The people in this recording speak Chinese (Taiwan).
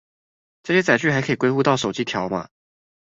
這些載具還可以歸戶到手機條碼